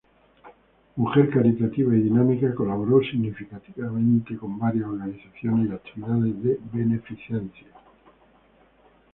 Mujer caritativa y dinámica, colaboró significativamente con varias organizaciones y actividades de beneficencia.